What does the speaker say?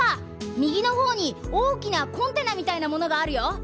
みぎのほうにおおきなコンテナみたいなものがあるよ。